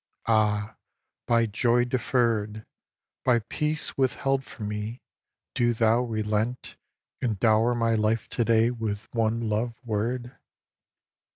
Ah, by joy deferr'd, By peace withheld from me, do thou relent And dower my life to day with one love word!